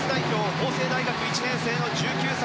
法政大学１年生の１９歳。